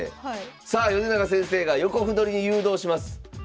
さあ米長先生が横歩取りに誘導します。